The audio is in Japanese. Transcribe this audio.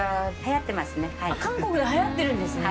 韓国で流行ってるんですね。